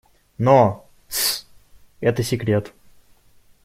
Но... Тссс! - это секрет!